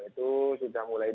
itu sudah mulai